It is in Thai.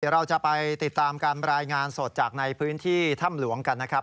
เราจะไปติดตามการรายงานสดจากในพื้นที่ถ้ำหลวงกันนะครับ